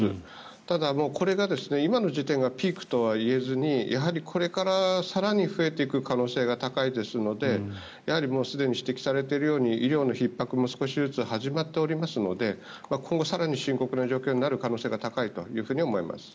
ただ、これが今の時点がピークとは言えずにやはり、これから更に増えていく可能性が高いですのですでに指摘されているように医療のひっ迫も少しずつ始まっておりますので今後、更に深刻な状況になる可能性が高いとみています。